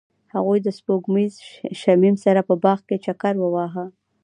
هغوی د سپوږمیز شمیم سره په باغ کې چکر وواهه.